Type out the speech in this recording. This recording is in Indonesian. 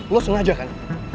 lo sengaja kan